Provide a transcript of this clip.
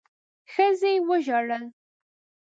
ښځې وژړل.